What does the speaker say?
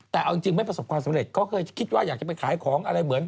แต่เอาจริงไม่ประสบความสำเร็จเขาเคยคิดว่าอยากจะไปขายของอะไรเหมือน